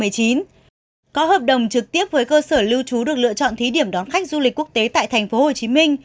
có hợp đồng trực tiếp với cơ sở lưu trú được lựa chọn thí điểm đón khách du lịch quốc tế tại tp hcm